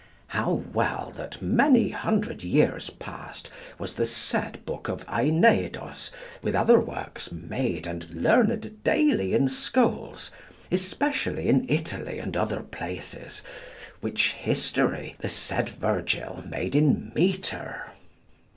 How well that many hundred years past was the said book of Aeneidos, with other works, made and learned daily in schools, especially in Italy and other places; which history the said Virgil made in metre.